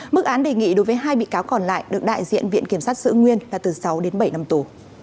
mức án đề nghị đối với hai bị cáo còn lại được đại diện viện kiểm sát giữ nguyên là từ sáu đến bảy năm tù